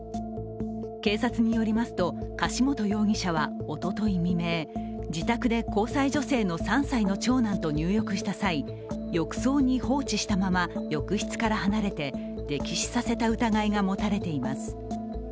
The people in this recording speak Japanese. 警察によりますと、柏本容疑者はおととい未明、自宅で交際女性の３歳の長男と入浴した際、浴槽に放置したまま浴室から離れて溺死させた疑いがもたれています。